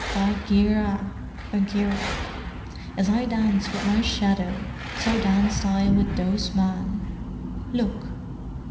Bagheera! Bagheera! As I dance with my shadow, so danced I with those men. Look!"